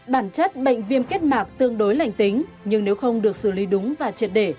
bản chất bệnh viêm kết mạc tương đối lành tính nhưng nếu không được xử lý đúng và triệt để